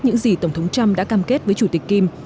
những gì tổng thống trump đã cam kết với chủ tịch kim